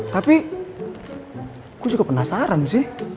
tapi gue cukup penasaran sih